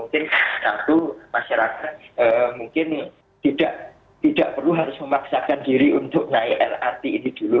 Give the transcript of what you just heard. karena itu masyarakat mungkin tidak perlu harus memaksakan diri untuk naik lrt ini dulu